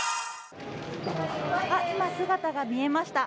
今、姿が見えました。